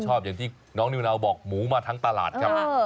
ชอบอย่างที่น้องนิวนาวบอกหมูมาทั้งตลาดครับ